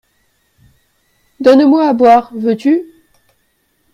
Donne-moi à boire, veux-tu ?